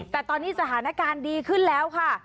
แต่ตอนนี้สถานการณ์ดีขึ้นแล้วค่ะ